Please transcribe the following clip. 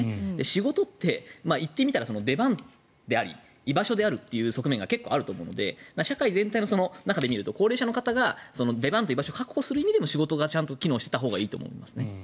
仕事って言ってみたら出番であり居場所である側面が結構あると思うので社会全体の中で見ると高齢者の方が出番と居場所を確保する意味での仕事がちゃんと機能していたほうがいいと思います。